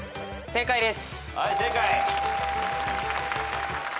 正解です。